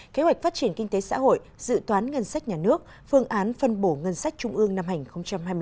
kế hoạch phát triển kinh tế xã hội dự toán ngân sách nhà nước phương án phân bổ ngân sách trung ương năm hành hai mươi một